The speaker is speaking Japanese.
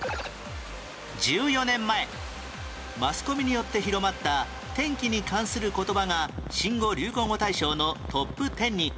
１４年前マスコミによって広まった天気に関する言葉が新語・流行語大賞のトップテンに